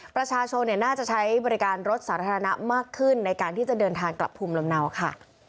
ประชาชนน่าจะใช้บริการรถสาธารณะมากขึ้นในการที่จะเดินทางกลับภูมิลำเนาค่ะ